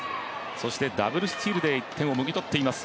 そしてダブルスチールで１点をもぎ取っています。